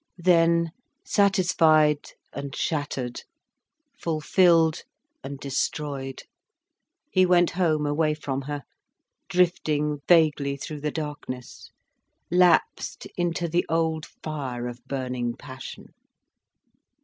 Then, satisfied and shattered, fulfilled and destroyed, he went home away from her, drifting vaguely through the darkness, lapsed into the old fire of burning passion.